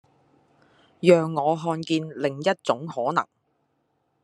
讓我看見另一種可能